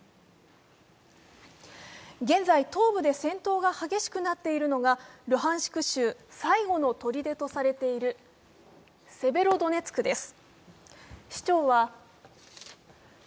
現在、東部で戦闘が激しくなっているのがルハンシク州最後のとりでとされているセベロドネツクです。